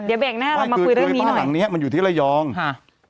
เดี๋ยวเบรกหน้าเรามาคุยเรื่องนี้หลังเนี้ยมันอยู่ที่ระยองค่ะ